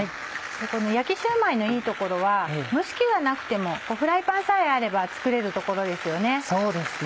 この焼きシューマイのいいところは蒸し器がなくてもフライパンさえあれば作れるところですよね。